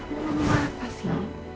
mama apa sih